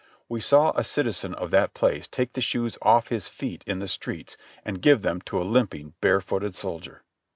We saw a citizen of that place take the shoes off his feet in the streets and give them to a limping, barefooted soldier.